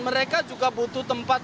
mereka juga butuh tempat